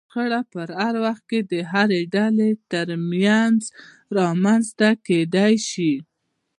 شخړه په هر وخت کې د هرې ډلې ترمنځ رامنځته کېدای شي.